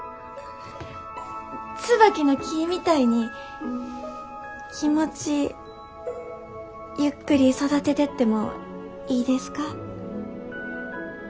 ツバキの木みたいに気持ちゆっくり育ててってもいいですか？